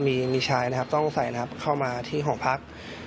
มีชายต้องใส่เข้ามาที่หอพัก